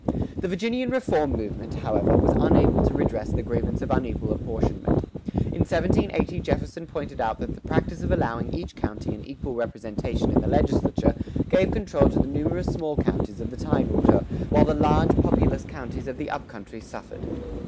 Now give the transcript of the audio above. The Virginian reform movement, however, was unable to redress the grievance of unequal apportionment. In 1780 Jefferson pointed out that the practice of allowing each county an equal representation in the legislature gave control to the numerous small counties of the tidewater, while the large populous counties of the up country suffered.